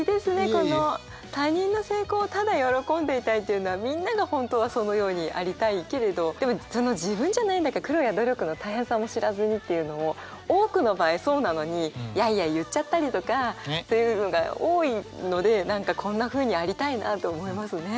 この「他人の成功をただ喜んでいたい」というのはみんなが本当はそのようにありたいけれどでも「自分じゃないんだから苦労や努力の大変さも知らずに」っていうのも多くの場合そうなのにやいやい言っちゃったりとかっていうのが多いので何かこんなふうにありたいなと思いますね。